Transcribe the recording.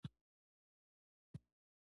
د محصل لپاره تخلیقي فکر د مسلک ودې ته لار ده.